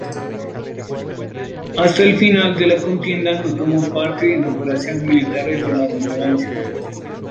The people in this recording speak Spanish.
Hasta el final de la contienda no tomó parte en operaciones militares de relevancia.